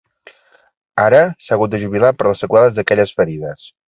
Ara, s’ha hagut de jubilar per les seqüeles d’aquelles ferides.